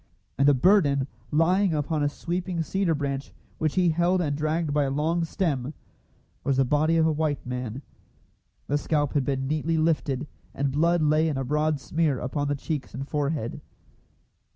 And the burden, lying upon a sweeping cedar branch which he held and dragged by a long stem, was the body of a white man. The scalp had been neatly lifted, and blood lay in a broad smear upon the cheeks and forehead.